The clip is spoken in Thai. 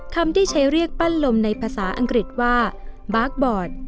คำที่ใช้เรียกปั้นลมในภาษาอังกฤษว่าบาร์คบอร์ด